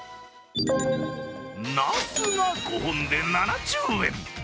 なすが５本で７０円。